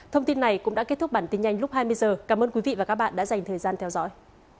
thông tin này cũng đã kết thúc bản tin nhanh lúc hai mươi h cảm ơn quý vị và các bạn đã dành thời gian theo dõi